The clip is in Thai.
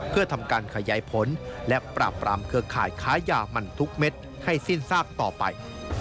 เพื่อทำการขยายผลและปราบปรามเครือข่ายค้ายามันทุกเม็ดให้สิ้นซากต่อไป